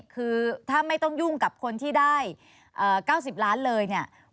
คือถ้าไม่ต้องยุ่งกับคนที่ได้๙๐ล้านเลยเนี่ย